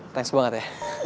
thanks banget ya